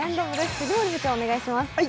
藤森部長お願いします。